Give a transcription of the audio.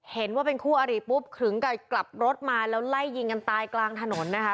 เห็นว่าเป็นคู่อาริปุ๊บถึงกับกลับรถมาแล้วไล่ยิงกันตายกลางถนนนะคะ